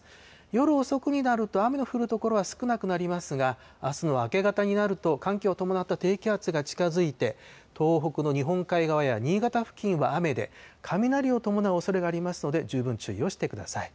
夜遅くになると雨の降る所は少なくなりますが、あすの明け方になると、寒気を伴った低気圧が近づいて、東北の日本海側や新潟付近は雨で、雷を伴うおそれがありますので、十分注意をしてください。